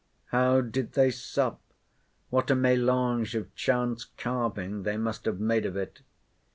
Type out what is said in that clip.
How did they sup? what a melange of chance carving they must have made of it!